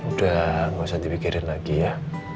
udah nggak usah dipikirin lagi ya